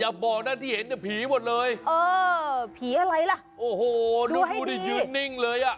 อย่าบอกที่เห็นภีร์บนเลย